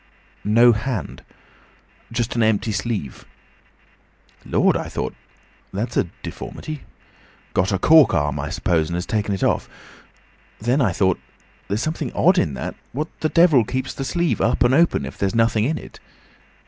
"No hand—just an empty sleeve. Lord! I thought, that's a deformity! Got a cork arm, I suppose, and has taken it off. Then, I thought, there's something odd in that. What the devil keeps that sleeve up and open, if there's nothing in it?